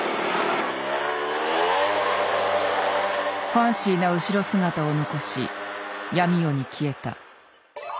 ファンシーな後ろ姿を残し闇夜に消えた。